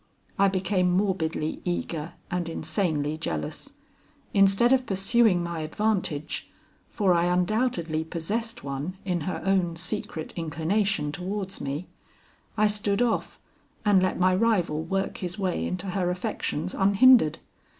I became morbidly eager and insanely jealous. Instead of pursuing my advantage for I undoubtedly possessed one in her own secret inclination towards me I stood off, and let my rival work his way into her affections unhindered.